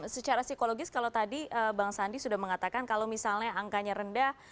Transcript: secara psikologis kalau tadi bang sandi sudah mengatakan kalau misalnya angkanya rendah